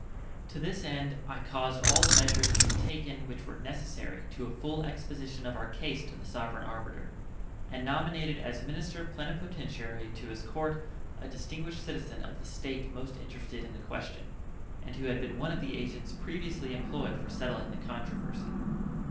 To this end I caused all the measures to be taken which were necessary to a full exposition of our case to the sovereign arbiter, and nominated as minister plenipotentiary to his Court a distinguished citizen of the State most interested in the question, and who had been one of the agents previously employed for settling the controversy.